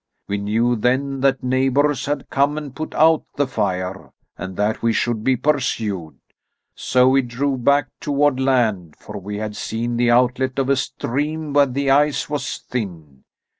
We knew then that neighbours had come and put out the fire, and that we should be pursued. So we drove back toward land, for we had seen the outlet of a stream where the ice was thin.